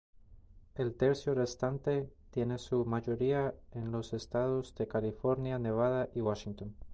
El tercio restante tiene su mayoría en los estados de California, Nevada y Washington.